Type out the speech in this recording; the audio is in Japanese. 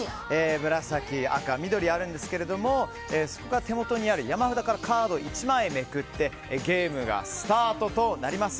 紫、赤、緑があるんですけれども手元にある山札からカードを１枚めくってゲームがスタートとなります。